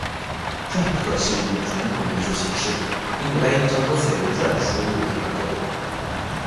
篆刻是一种传统的艺术形式，因古代印章多采用篆书入印而得名。